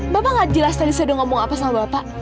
bapak gak jelas tadi saya udah ngomong apa sama bapak